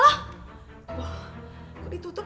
wah kok ditutup